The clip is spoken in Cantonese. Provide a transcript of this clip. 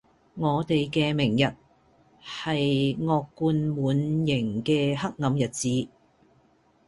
我地既明日,係惡貫滿刑既黑暗日子